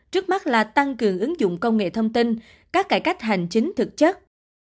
trước mắt là tăng cường ứng dụng công nghệ thông tin các cải cách hành chính thực chất